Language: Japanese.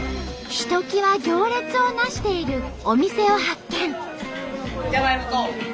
ひときわ行列をなしているお店を発見。